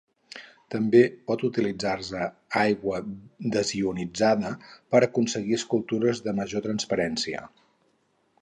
També pot utilitzar-se aigua desionitzada per aconseguir escultures de major transparència.